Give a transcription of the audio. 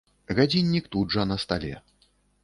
Гадзіннік тут жа на стале.